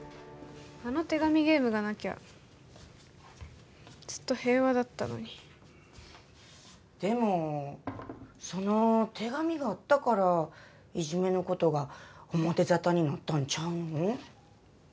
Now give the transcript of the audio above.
あの手紙ゲームがなきゃずっと平和だったのにでもその手紙があったからいじめのことが表沙汰になったんちゃうの？